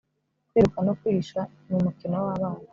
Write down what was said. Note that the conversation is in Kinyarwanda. kwiruka no kwihisha numukino wabana